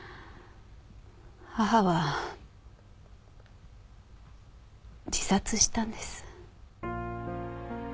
母は自殺したんです。